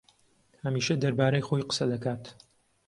ھەمیشە دەربارەی خۆی قسە دەکات.